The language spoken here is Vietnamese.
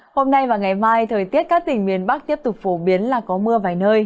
hôm nay và ngày mai thời tiết các tỉnh miền bắc tiếp tục phổ biến là có mưa vài nơi